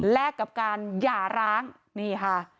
แลกกับการหย่าร้างนี่ค่ะ